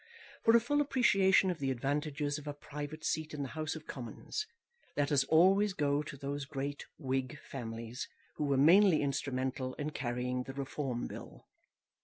For a full appreciation of the advantages of a private seat in the House of Commons let us always go to those great Whig families who were mainly instrumental in carrying the Reform Bill.